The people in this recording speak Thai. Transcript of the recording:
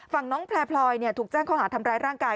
ฝั่งน้องแพร่พลอยถูกแจ้งข้อหาทำร้ายร่างกาย